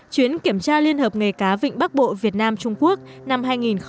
chuyến kiểm tra liên hợp nghề cá vịnh bắc bộ việt nam trung quốc năm hai nghìn một mươi chín